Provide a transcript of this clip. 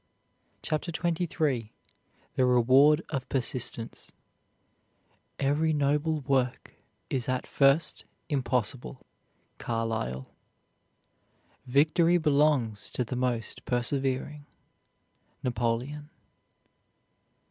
CHAPTER XXIII THE REWARD OF PERSISTENCE Every noble work is at first impossible. CARLYLE. Victory belongs to the most persevering. NAPOLEON.